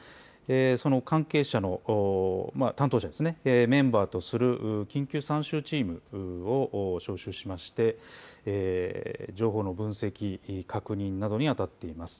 その関係者の担当者をメンバーとする緊急参集チームを招集しまして情報の分析、確認などにあたっています。